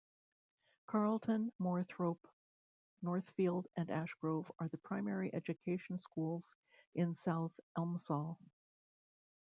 Carlton, Moorthorpe, Northfield and Ash Grove are the primary education schools in South Elmsall.